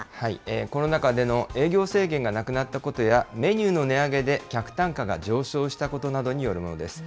コロナ禍での営業制限がなくなったことやメニューの値上げで客単価が上昇したことによるものです。